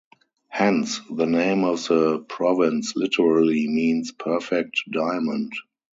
Hence the name of the province literally means "perfect diamond".